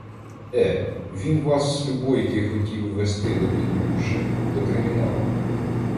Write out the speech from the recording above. Е, він вас, любойки, хотів вести до Підбужжя, до криміналу.